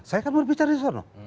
saya kan mau bicara disana